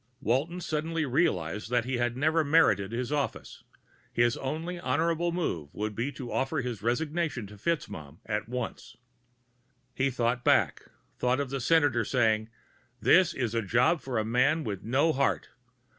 Walton suddenly realized that he had never merited his office. His only honorable move would be to offer his resignation to FitzMaugham at once. He thought back, thought of the Senator saying, _This is a job for a man with no heart.